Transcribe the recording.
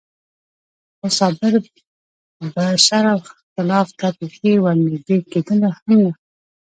خو صابر به شر او اختلاف ته بېخي ور نږدې کېدلو هم نه.